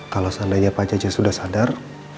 kalau seandainya pak cace sudah sadar